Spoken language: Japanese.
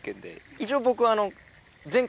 一応僕。